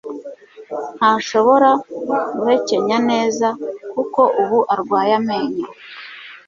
Ntashobora guhekenya neza, kuko ubu arwaye amenyo.